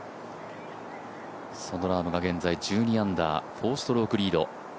そのラームが現在１２アンダー、４ストロークリード。